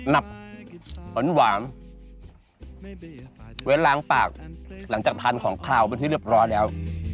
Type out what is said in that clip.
นับหวานเว้นล้างปากหลังจากทานของขาวเป็นที่เรียบร้อยแล้ว